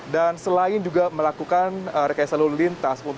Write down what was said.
dan selain juga melakukan rekayasa lintas